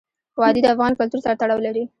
وادي د افغان کلتور سره تړاو لري.